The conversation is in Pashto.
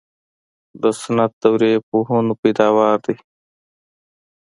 د سنت دورې پوهنو پیداوار دي.